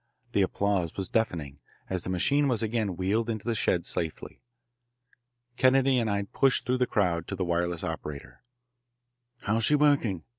The applause was deafening, as the machine was again wheeled into the shed safely. Kennedy and I pushed through the crowd to the wireless operator. "How's she working?"